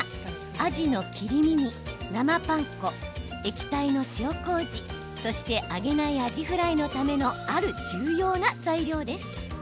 アジの切り身に生パン粉液体の塩こうじ、そして揚げないアジフライのためのある重要な材料です。